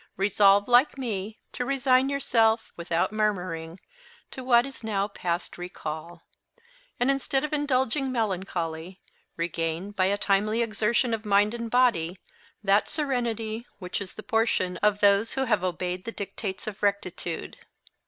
Resolve, like me, to resign yourself, without murmuring, to what is now past recall; and, instead of indulging melancholy, regain, by a timely exertion of mind and body, that serenity which is the portion of those who have obeyed the dictates of rectitude.